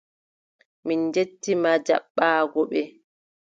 Min njetti ma jaɓɓaago ɓe.